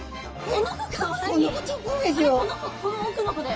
この子この奥の子で。